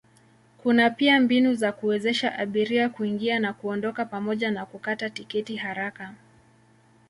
Kuna pia mbinu za kuwezesha abiria kuingia na kuondoka pamoja na kukata tiketi haraka.